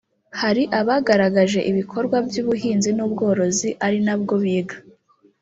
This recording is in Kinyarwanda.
Hari abagaragaje ibikorwa by’ubuhinzi n’ubworozi ari nabwo biga